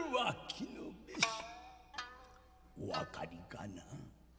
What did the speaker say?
お分かりかな？」。